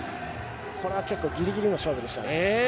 これは結構ギリギリの勝負でした。